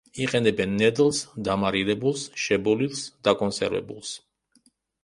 იყენებენ ნედლს, დამარილებულს, შებოლილს, დაკონსერვებულს.